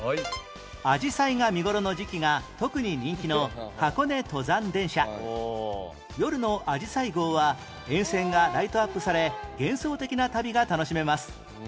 あじさいが見頃の時季が特に人気の箱根登山電車夜のあじさい号は沿線がライトアップされ幻想的な旅が楽しめます